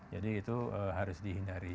jadi itu harus dihindari